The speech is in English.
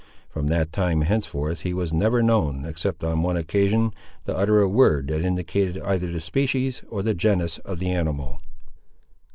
From that time, henceforth, he was never known, except on one occasion, to utter a word that indicated either the species, or the genus, of the animal.